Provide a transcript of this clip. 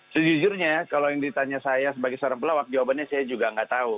sejujurnya kalau yang ditanya saya sebagai seorang pelawak jawabannya saya juga nggak tahu